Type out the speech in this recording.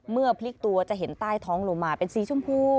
พลิกตัวจะเห็นใต้ท้องลงมาเป็นสีชมพู